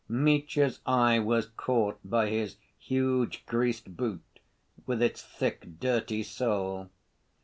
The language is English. Mitya's eye was caught by his huge greased boot, with its thick, dirty sole.